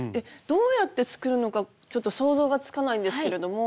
どうやって作るのかちょっと想像がつかないんですけれども。